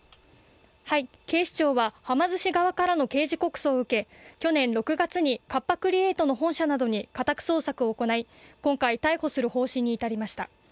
警視庁ははま寿司側からの刑事告訴を受け去年６月にカッパ・クリエイトの本社などに家宅捜索を行い今回、逮捕する方針に至りました。